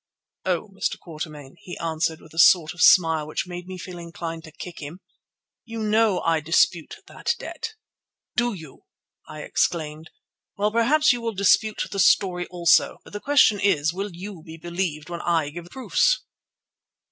"Oh, Mr. Quatermain," he answered with a sort of smile which made me feel inclined to kick him, "you know I dispute that debt." "Do you?" I exclaimed. "Well, perhaps you will dispute the story also. But the question is, will you be believed when I give the proofs?"